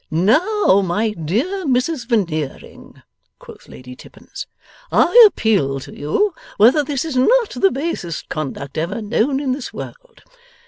'Now, my dear Mrs Veneering,' quoth Lady Tippins, I appeal to you whether this is not the basest conduct ever known in this world?